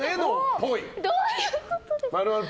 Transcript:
ちょっと、どういうことですか。